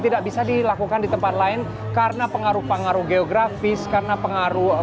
tidak bisa dilakukan di tempat lain karena pengaruh pengaruh geografis karena pengaruh